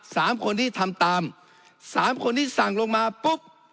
สามคนที่ทำตามสามคนที่สั่งลงมาปุ๊บ